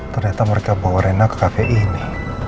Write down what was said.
ternyata mereka bawa reina ke cafe ini